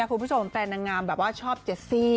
แฟนนางงามแบบว่าชอบเจสซี่